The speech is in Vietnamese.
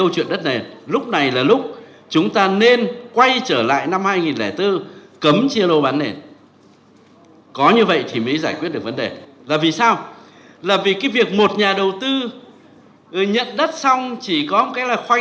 nhận đất xong chỉ có khoanh ra mấy cái nền xong rồi bán